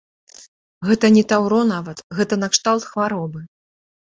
Гэта не таўро нават, гэта накшталт хваробы.